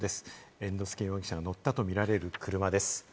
猿之助容疑者が乗ったとみられる車です。